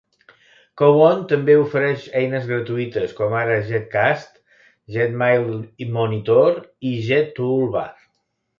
Cowon també ofereix eines gratuïtes, com ara JetCast, JetMailMonitor i JetToolBar.